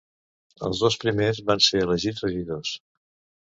Els dos primers van ser elegits regidors.